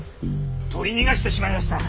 取り逃がしてしまいやした！